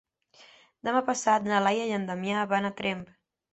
Demà passat na Laia i en Damià van a Tremp.